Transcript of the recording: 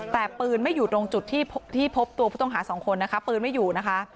แต่ปืนไม่อยู่ตรงจุดที่พบตัวผู้ต้องหา๒คนนะคะ